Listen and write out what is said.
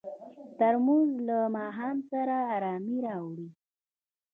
ترموز له ماښام سره ارامي راوړي.